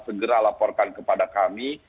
segera laporkan kepada kami